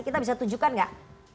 kita bisa tunjukkan gak